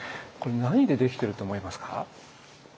これ何で出来てると思いますか？